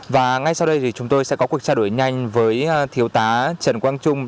và ngay sau đây thì chúng tôi sẽ có cuộc trao đổi nhanh với thiếu tá trần quang trung